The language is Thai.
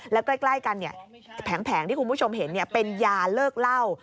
แล้วใกล้กันแผงที่คุณผู้ชมเห็นเป็นยาเลิกเล่า